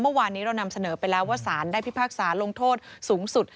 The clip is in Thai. เมื่อวานนี้เรานำเสนอไปแล้วว่าสารได้พิพากษาลงโทษสูงสุด